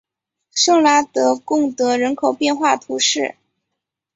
圣拉德贡德人口变化图示